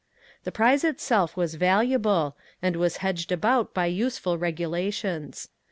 The prize itself was valuable, and was hedged about by useful regulations.